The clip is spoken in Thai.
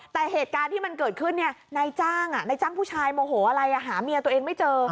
แต่เหตุการณ์ที่มันเกิดขึ้นนายจ้างนายจ้างผู้ชายโมโหอะไรหาเมียตัวเองไม่เจอ